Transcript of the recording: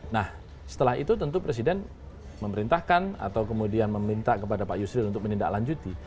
nah setelah itu tentu presiden memerintahkan atau kemudian meminta kepada pak yusril untuk menindaklanjuti